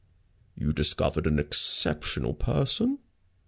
"You discovered an exceptional person?"